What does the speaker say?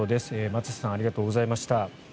松下さんありがとうございました。